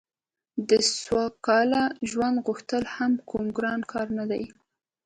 د سوکاله ژوند غوښتل هم کوم ګران کار نه دی